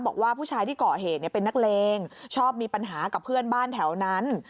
บอกว่าผู้ชายที่ก่อเหตุเป็นนักเลงชอบมีปัญหากับเพื่อนบ้านแถวนั้น